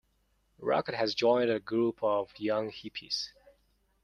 Rocket has joined a group of young hippies.